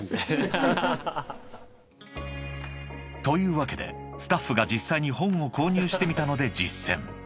［というわけでスタッフが実際に本を購入してみたので実践］